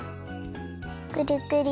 くるくる。